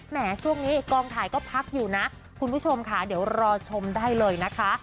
แม้ช่วงนี้กองถ่ายก็พักอยู่นะคุณผู้ชมค่ะเดี๋ยวรอชมได้เลยนะคะ